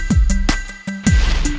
gak ada yang nungguin